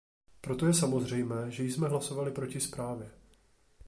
Proto je samozřejmé, že jsme hlasovali proti zprávě.